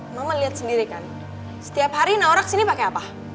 mama lihat sendiri kan setiap hari naura kesini pakai apa